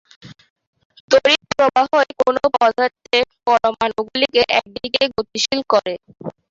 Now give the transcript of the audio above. তড়িৎপ্রবাহই কোন পদার্থের পরমাণুগুলিকে একদিকে গতিশীল করে।